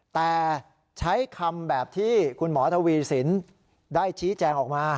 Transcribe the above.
แต่ใช้คำแบบที่คุณหมอทวีสินได้ชี้แจงออกมา